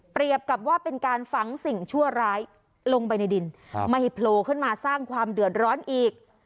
กับว่าเป็นการฝังสิ่งชั่วร้ายลงไปในดินไม่ให้โผล่ขึ้นมาสร้างความเดือดร้อนอีก